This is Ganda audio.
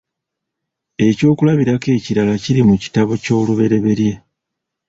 Ekyokulabirako ekirala kiri mu kitabo ky'Olubereberye.